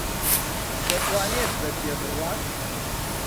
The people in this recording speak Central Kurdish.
دەتوانێت بە پێ بڕوات.